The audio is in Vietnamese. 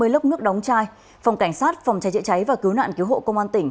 một trăm năm mươi lớp nước đóng chai phòng cảnh sát phòng chai chạy cháy và cứu nạn cứu hộ công an tỉnh